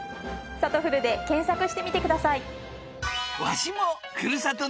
「さとふる」で検索してみてください。